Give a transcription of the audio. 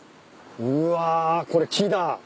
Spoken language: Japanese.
うわこれ木だ。